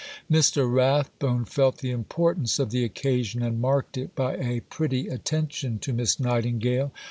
Mr. Rathbone felt the importance of the occasion, and marked it by a pretty attention to Miss Nightingale.